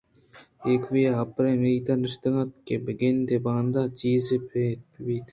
ایوکءَ آ پرے اُمیتءَ نشتگ اَت کہ بہ گندے باندا چیزے بہ بیت